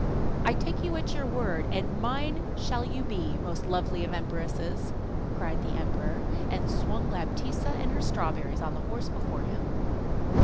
'I take you at your word, and mine shall you be, most lovely of empresses!' cried the emperor, and swung Laptitza and her strawberries on the horse before him.